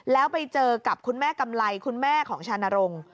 แล้วไปเจอกับคุณแม่กำไรคุณแม่ของชานรงค์